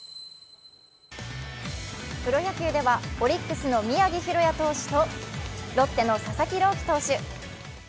プロ野球ではオリックスの宮城大弥投手とロッテの佐々木朗希投手。